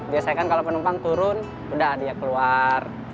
biasanya kan kalau penumpang turun udah dia keluar